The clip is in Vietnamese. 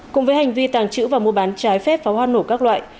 cùng với hành vi tàng trữ và mua bán trái phép pháo hoa nổ các loại